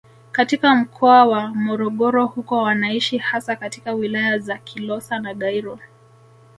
Katika mkoa wa Morogoro huko wanaishi hasa katika wilaya za Kilosa na Gairo